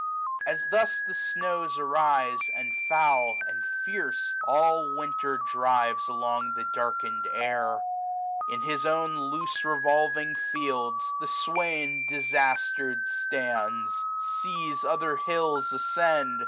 ajg As thus the snows arise ; and foul, and fierce. All Winter drives along the darkened air j In his own loose ievolving fields, the swain Disaster'd stands ; sees other hills ascend.